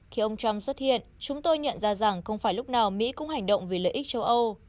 khi ông trump xuất hiện chúng tôi nhận ra rằng không phải lúc nào mỹ cũng hành động vì lợi ích châu âu